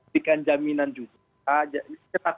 dikan jaminan juga